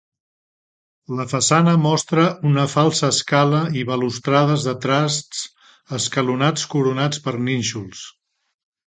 La façana mostra una falsa escala i balustrades de trasts escalonats coronats per nínxols.